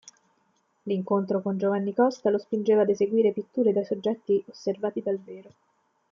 L'incontro con Giovanni Costa lo spingeva ad eseguire pitture da soggetti osservati dal vero.